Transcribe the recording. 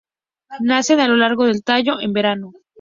Nacen a lo largo del tallo, en verano.